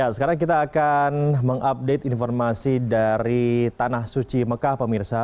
sekarang kita akan mengupdate informasi dari tanah suci mekah pemirsa